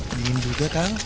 ingin juga kan